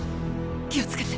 気をつけて。